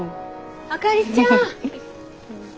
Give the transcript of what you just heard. あかりちゃん。